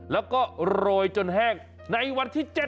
แล้วก็โรยจนแห้งในวันที่๗